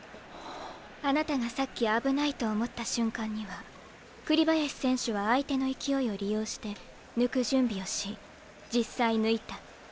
あなたがさっき危ないと思った瞬間には栗林選手は相手の勢いを利用して抜く準備をし実際抜いた。